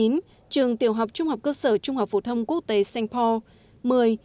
chín trường tiểu học trung học cơ sở trung học phổ thông quốc tế st paul